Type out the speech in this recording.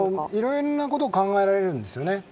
いろんなことが考えられるんですよね。